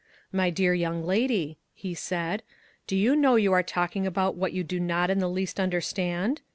" My dear young lady," he said, " do you know you are talking about what you do LOGIC. not in the least understand